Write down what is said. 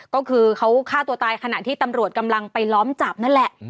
ก็คือเขาฆ่าตัวตายขณะที่ตำรวจกำลังไปล้อมจับนั่นแหละ